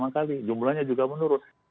pertama kali jumlahnya juga menurun